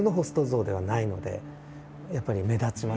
やっぱり目立ちましたね。